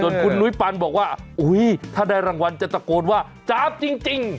คุณนุ้ยปันบอกว่าถ้าได้รางวัลจะตะโกนว่าจ๊าบจริง